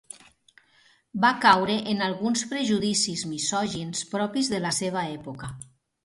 Va caure en alguns prejudicis misògins propis de la seva època.